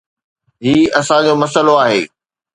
هي اسان جو مسئلو آهي.